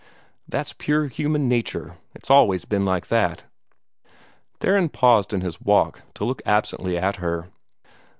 That's pure human nature. It's always been like that." Theron paused in his walk to look absently at her.